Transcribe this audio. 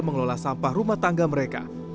mengelola sampah rumah tangga mereka